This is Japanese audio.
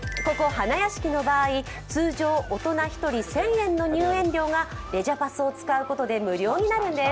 ここ花やしきの場合、通常大人１人１０００円の入園料がレジャパス！を使うことで無料になるんです。